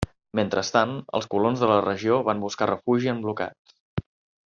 Mentrestant, els colons de la regió van buscar refugi en blocats.